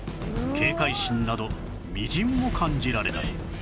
警戒心などみじんも感じられない